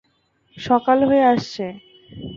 সকাল হয়ে আসছে।